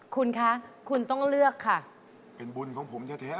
คุณคะคุณต้องเลือกค่ะเป็นบุญของผมแท้